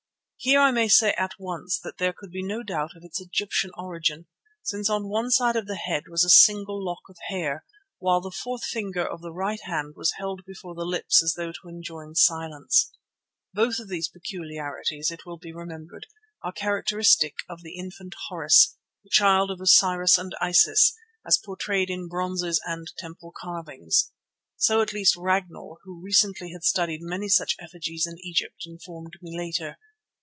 Here I may say at once that there could be no doubt of its Egyptian origin, since on one side of the head was a single lock of hair, while the fourth finger of the right hand was held before the lips as though to enjoin silence. Both of these peculiarities, it will be remembered, are characteristic of the infant Horus, the child of Osiris and Isis, as portrayed in bronzes and temple carvings. So at least Ragnall, who recently had studied many such effigies in Egypt, informed me later.